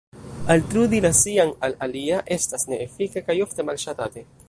Altrudi la sian al alia estas ne-efike kaj ofte malŝatate.